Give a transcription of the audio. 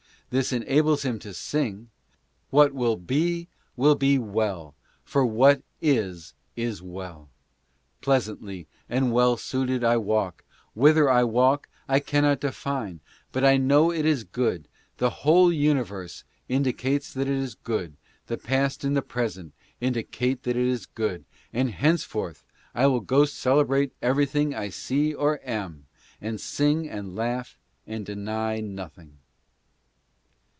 This enables him to sing :" What will be will be well, for what is is well. ..,. Pleasantly and well suited I walk, Whither I walk I cannot define, but I know it is good, The whole universe indicates that it is good, The past and the present indicate that it is good And henceforth I will go celebrate anything I see or arn, And sing and laugh and deny nothing."